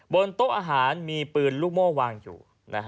บนโต๊ะอาหารมีปืนลูกโม่วางอยู่